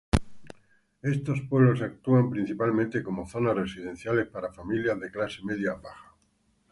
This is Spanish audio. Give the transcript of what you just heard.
Estos pueblos actúan principalmente como zonas residenciales para familias de clase media-baja.